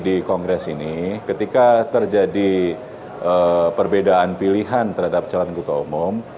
di kongres ini ketika terjadi perbedaan pilihan terhadap calon ketua umum